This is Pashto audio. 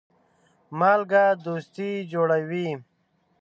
مالګه دوستي جوړوي.